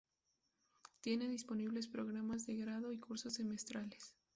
Tiene disponibles programas de grado y cursos semestrales.